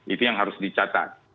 itu yang harus dicatat